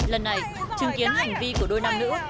lần này chứng kiến hành vi của đôi nam nữ